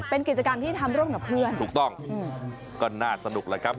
เป็นกิจกรรมที่ทำร่วมกับเพื่อนถูกต้องก็น่าสนุกแหละครับ